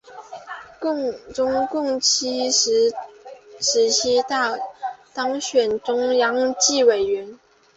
中共十七大当选中央纪委委员。